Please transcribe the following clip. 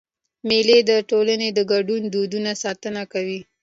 مېلې د ټولني د ګډو دودونو ساتنه کوي.